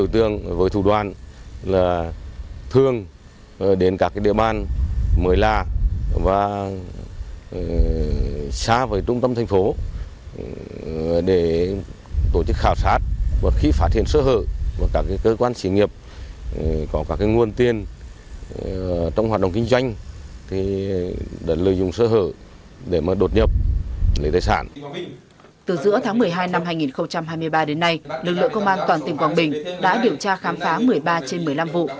từ giữa tháng một mươi hai năm hai nghìn hai mươi ba đến nay lực lượng công an toàn tỉnh quảng bình đã điều tra khám phá một mươi ba trên một mươi năm vụ